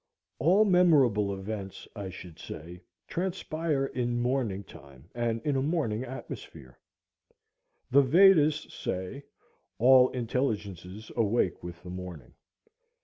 All memorable events, I should say, transpire in morning time and in a morning atmosphere. The Vedas say, "All intelligences awake with the morning."